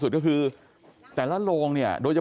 พ่อขออนุญาต